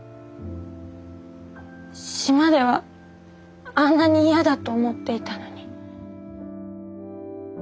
島ではあんなに嫌だと思っていたのに。